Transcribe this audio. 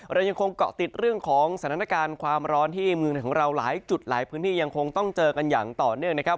เรายังคงเกาะติดเรื่องของสถานการณ์ความร้อนที่เมืองของเราหลายจุดหลายพื้นที่ยังคงต้องเจอกันอย่างต่อเนื่องนะครับ